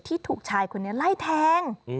ที่ถูกชายคนนี้ไล่แทง